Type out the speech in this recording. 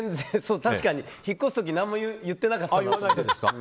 確かに引っ越す時に何も言ってなかったけど。